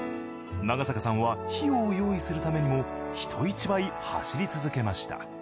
長坂さんは費用を用意するためにも人一倍走り続けました。